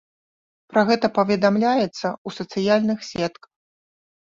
Пра гэта паведамляецца ў сацыяльных сетках.